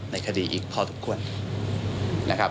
ในคดีอีกพอทุกคนนะครับ